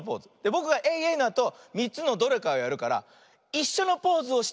ぼくがエイエイのあと３つのどれかをやるからいっしょのポーズをしたらかち。